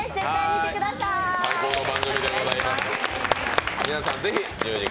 最高の番組でございます。